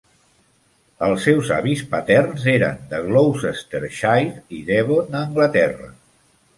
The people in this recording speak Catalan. Els seus avis paterns eren de Gloucestershire i Devon a Anglaterra.